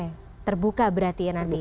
mereka bisa membuka berarti ya nanti